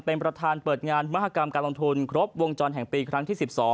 เป็นประธานเปิดงานมหากรรมการลงทุนครบวงจรแห่งปีครั้งที่๑๒